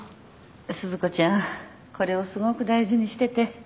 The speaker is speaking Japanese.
鈴子ちゃんこれをすごく大事にしてて。